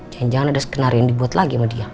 jangan jangan ada skenario yang dibuat lagi sama dia